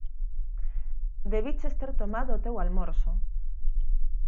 Debiches ter tomado o teu almorzo.